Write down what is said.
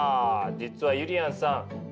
実はゆりやんさん